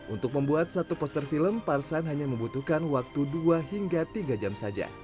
untuk membuat satu poster film parsan hanya membutuhkan waktu dua hingga tiga jam saja